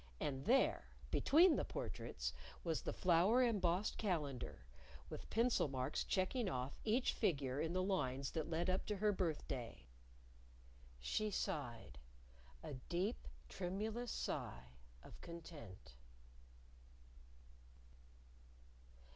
And there between the portraits was the flower embossed calendar, with pencil marks checking off each figure in the lines that led up to her birthday. She sighed a deep, tremulous sigh of content.